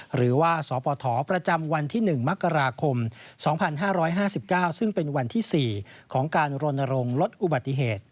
หรือว่าสปทประจำวันที่๑มกราคม๒๕๕๙ซึ่งเป็นวันที่๔ของการรณรงค์ลดอุบัติเหตุ